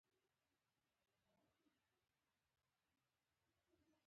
هغې خپل مور او پلار قانع کړل چې